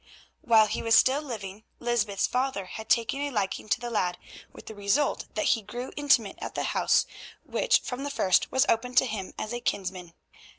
While he was still living, Lysbeth's father had taken a liking to the lad, with the result that he grew intimate at the house which, from the first, was open to him as a kinsman.